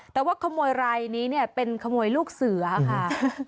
แต่ว่าขโมยรายนี้เนี่ยเป็นขโมยลูกเสือค่ะ